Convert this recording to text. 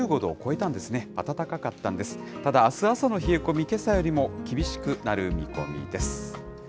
ただ、あす朝の冷え込み、けさよりも厳しくなる見込みです。